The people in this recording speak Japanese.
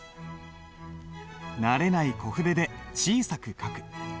慣れない小筆で小さく書く。